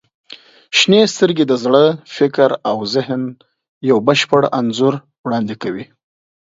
• شنې سترګې د زړه، فکر او ذهن یو بشپړ انځور وړاندې کوي.